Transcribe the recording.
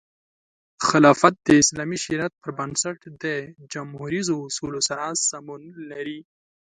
خلافت د اسلامي شریعت پر بنسټ د جموهریزو اصولو سره سمون لري.